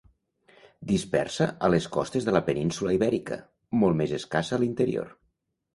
Dispersa a les costes de la península Ibèrica, molt més escassa a l'interior.